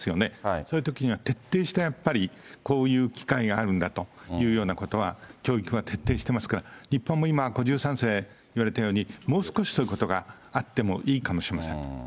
そういうときには徹底した、やっぱり、こういう機会があるんだというようなことは、教育は徹底していますから、日本も今、５３世言われたように、もう少しそういうことがあってもいいかもしれません。